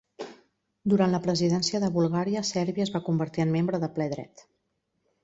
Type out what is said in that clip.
Durant la presidència de Bulgària, Sèrbia es va convertir en membre de ple dret.